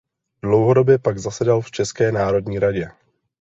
Dlouhodobě pak zasedal v České národní radě.